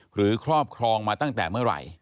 ครอบครองมาตั้งแต่เมื่อไหร่